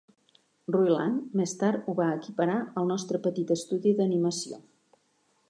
Roiland més tard ho va equiparar al nostre petit estudi d'animació.